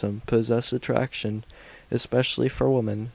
CHAP, xxx possessed attractions, especially tor women.